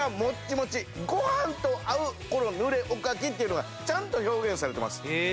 ご飯と合うこのぬれおかきっていうのがちゃんと表現されてます。